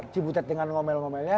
si butet dengan ngomel ngomelnya